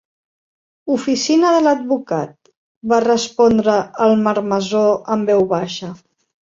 "Oficina de l'advocat", va respondre el marmessor en veu baixa.